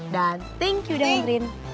dan thank you dong rin